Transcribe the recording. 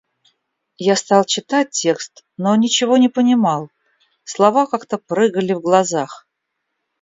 Я стал читать текст, но ничего не понимал, слова как-то прыгали в глазах.